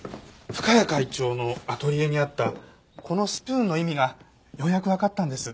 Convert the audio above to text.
深谷会長のアトリエにあったこのスプーンの意味がようやくわかったんです。